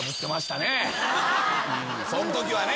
そんときはね。